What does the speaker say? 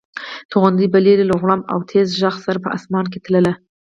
توغندي به لرې له غړومب او تېز غږ سره په اسمان کې تلل.